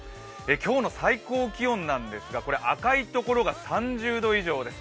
今日の最高気温なんですが赤いところが３０度以上です。